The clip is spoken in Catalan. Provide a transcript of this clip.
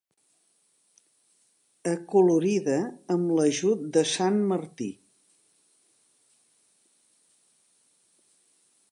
Acolorida amb l'ajut de sant Martí.